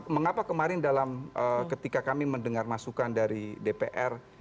mengapa kemarin dalam ketika kami mendengar masukan dari dpr